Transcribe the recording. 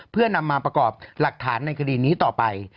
เพื่อนำมาประกอบหลักฐานในคดีนี้ต่อไป